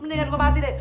mendingan gue mati deh